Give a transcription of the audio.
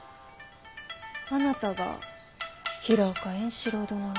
あなたが平岡円四郎殿の。